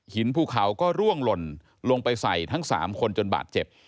ภูเขาก็ร่วงหล่นลงไปใส่ทั้ง๓คนจนบาดเจ็บ